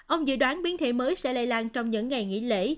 ông dự đoán biến thể mới sẽ lây lan trong những ngày nghỉ lễ